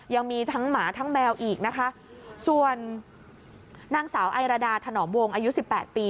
ยังมีทั้งหมาทั้งแมวอีกนะคะส่วนนางสาวไอรดาถนอมวงอายุสิบแปดปี